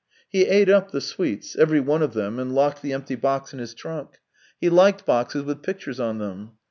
He ate up the sweets — every one of them, and locked the empty box in his trunk; he liked boxes with pictures on them.